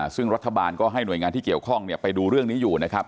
ซึ่งรัฐบาลก็ให้หน่วยงานที่เกี่ยวข้องไปดูเรื่องนี้อยู่นะครับ